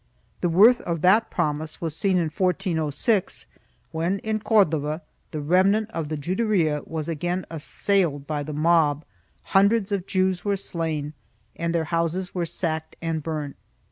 The worth of that promise was seen in 1406, when in Cordova the remnant of the Juderia was again assailed by the mob, hundreds of Jews were slain and their houses were sacked and burnt.